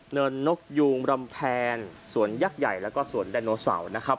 เนินนกยูงรำแพนสวนยักษ์ใหญ่แล้วก็สวนไดโนเสาร์นะครับ